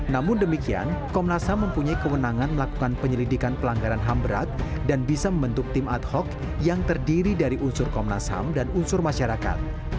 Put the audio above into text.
namun demikian komnas ham mempunyai kewenangan melakukan penyelidikan pelanggaran ham berat dan bisa membentuk tim ad hoc yang terdiri dari unsur komnas ham dan unsur masyarakat